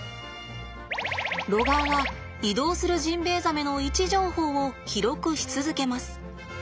ロガーは移動するジンベエザメの位置情報を記録し続けます。